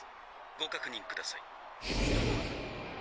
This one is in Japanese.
ご確認ください」。